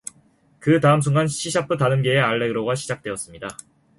그 다음 순간 C샤프 단음계의 알레그로가 시작되었습니다.